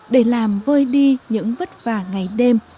để làm vơi đi những vất vả ngày đêm